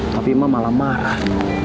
tapi emak malah marah